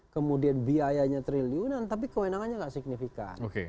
kemudian biayanya triliunan tapi kewenangannya nggak signifikan